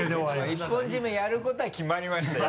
一本締めやることは決まりましたよ